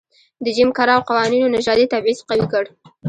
د جېم کراو قوانینو نژادي تبعیض قوي کړ.